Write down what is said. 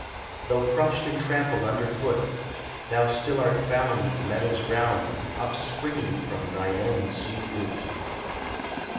Though crushed and trampled under foot, Thou still art found The meadows 'round, Up springing from thine own sweet root